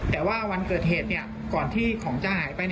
แต่ว่าวันเกิดเหตุก่อนที่ของจะหายไป